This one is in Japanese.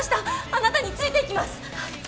あなたについていきます！